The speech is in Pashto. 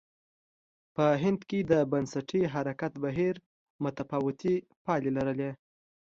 په هند کې د بنسټي حرکت بهیر متفاوتې پایلې لرلې.